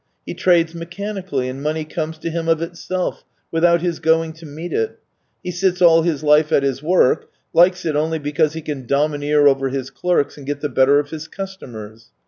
He trades mechanically, and money comes to him of itself, without his going to meet it. He sits all his life at his work, likes it only because he can domineer over his clerks and get the better of his customers.